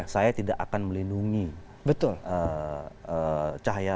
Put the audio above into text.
saya tidak akan melindungi cahaya